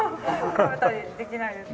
食べたりできないですね。